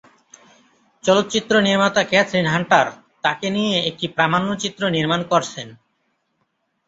চলচ্চিত্র নির্মাতা Katherine Hunter তাকে নিয়ে একটি প্রামাণ্যচিত্র নির্মাণ করছেন।